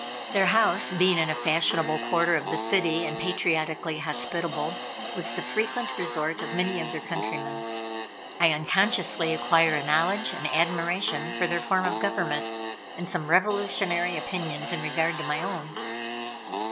Their house, being in a fashionable quarter of the city and patriotically hospitable, was the frequent resort of many of their countrymen. I unconsciously acquired a knowledge and admiration for their form of government, and some revolutionary opinions in regard to my own.